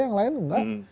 yang lain enggak